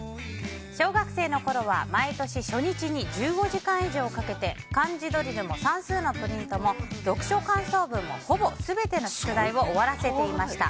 小学生のころは毎年初日に１５時間以上かけて漢字ドリルも算数のプリントも読書感想文もほぼ全ての宿題を終わらせていました。